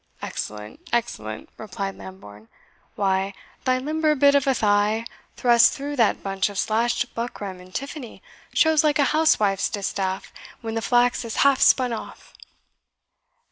"Excellent, excellent," replied Lambourne; "why, thy limber bit of a thigh, thrust through that bunch of slashed buckram and tiffany, shows like a housewife's distaff when the flax is half spun off!"